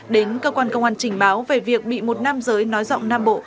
đến cơ quan công an trình báo về việc bị một nam giới nói rộng nam bộ